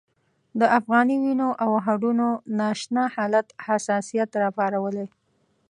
د افغاني وینو او هډونو نا اشنا حالت حساسیت راپارولی.